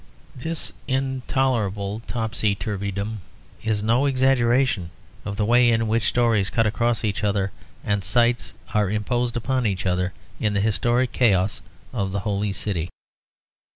This intolerable topsy turvydom is no exaggeration of the way in which stories cut across each other and sites are imposed on each other in the historic chaos of the Holy City.